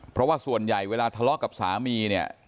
เพราะว่าส่วนใหญ่เวลาทะเลาะกับสามีเนี่ย